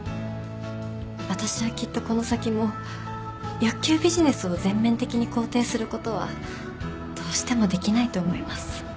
私はきっとこの先も欲求ビジネスを全面的に肯定することはどうしてもできないと思います。